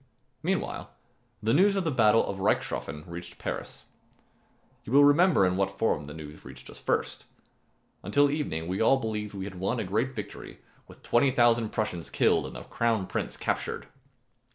Meanwhile, the news of the battle of Reichshoffen reached Paris. You will remember in what form that news reached us first. Until evening we all believed that we had won a great victory, with 20,000 Prussians killed and the Crown Prince captured.